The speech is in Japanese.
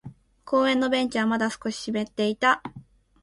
公園のベンチはまだ少し湿っていた。